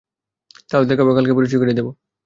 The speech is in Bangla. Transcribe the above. তাহলে দেখাব, কালকে পরিচয় করিয়ে দিব।